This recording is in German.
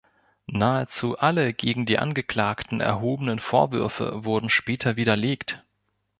Nahezu alle gegen die Angeklagten erhobenen Vorwürfe wurden später widerlegt.